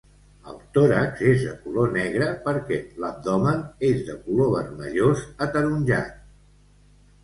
El tòrax és de color negre perquè l'abdomen és de color vermellós ataronjat.